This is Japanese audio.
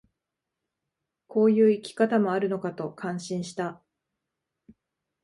こういう生き方もあるのかと感心した